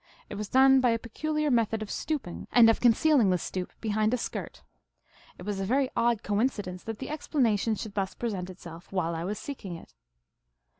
It was done by a peculiar method of stooping, and of con cealing the stoop behind a skirt. It was a very odd coincidence that the explanation should thus present itself while I was seeking it.